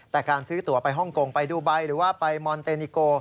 แต่การซื้อตัวไปฮ่องกงไปดูไบหรือว่าไปมอนเตนิโก